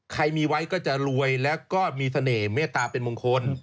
ใครมีไว้ก็จะรวยแล้วก็มีเสน่ห์เมตตาเป็นมงคล